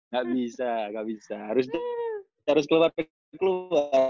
gak bisa gak bisa harus keluar keluar